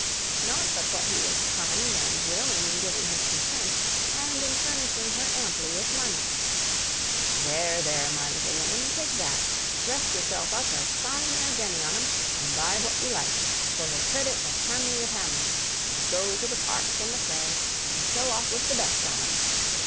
Not but what he was kind and willing in giving his consent, and in furnishing her amply with money. "There, there, my little woman, take that! Dress yourself up as fine as any on 'em, and buy what you like, for the credit of Hamley of Hamley; and go to the park and the play, and show off with the best on 'em.